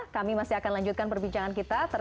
kami masih akan lanjutkan perbincangan kita